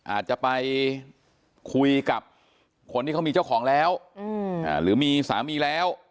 อาจจะไปคุยกับคนที่เขามีเจ้าของแล้วหรือมีสามีแล้ว